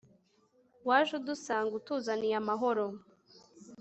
waje udusanga, utuzaniye amahoro